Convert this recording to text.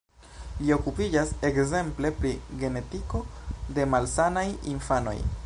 Li okupiĝas ekzemple pri genetiko de malsanaj infanoj.